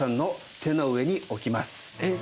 えっ？